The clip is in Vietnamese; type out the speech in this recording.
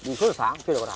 đi suốt sáng chưa được cả